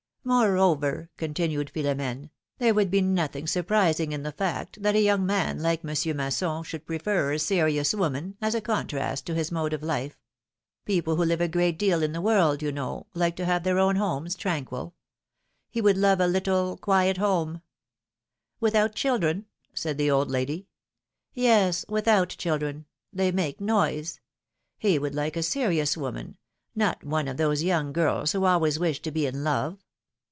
Moreover," continued Philom^ne, there would be nothing surprising in the fact, that a young man like Mon sieur Masson should prefer a serious woman, as a contrast to his mode of life; people who live a great deal in the world, you know, like to have their own homes tranquil ; he would love a little, quiet home —" '^Without children?" said the old lady. Yes, without children — they make a noise ; he would like a serious woman, not one of those young girls who always wish to be in love.